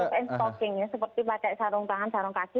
struk dan stroking seperti pakai sarung tangan sarung kaki